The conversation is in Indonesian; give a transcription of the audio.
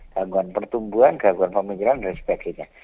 gangguan pertumbuhan gangguan pemikiran dan sebagainya